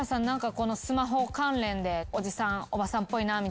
このスマホ関連でおじさんおばさんっぽいなみたいなのありますか？